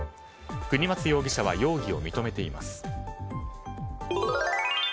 国松容疑者は容疑を認めています。